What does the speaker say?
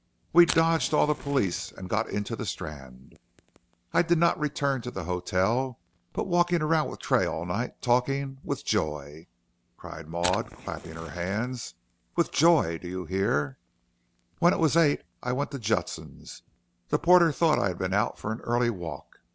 We dodged all the police and got into the Strand. I did not return to the hotel, but walked about with Tray all the night talking with joy," cried Maud, clapping her hands, "with joy, do you hear. When it was eight I went to Judson's. The porter thought I had been out for an early walk.